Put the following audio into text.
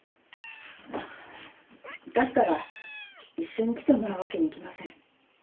だったら一緒に来てもらうわけにいきません。